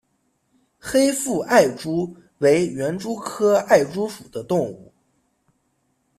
黑腹艾蛛为园蛛科艾蛛属的动物。